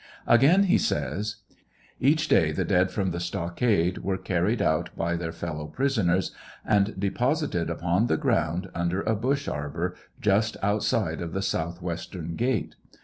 Again he says : Each day the dead from the stockade were carried out by their fellow prisoners and de posited upon the ground under a bush arbor just outside of the southwestern gate.